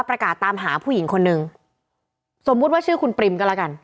ประกาศตามหาผู้หญิงคนนึงสมมุติว่าชื่อคุณปริมก็แล้วกัน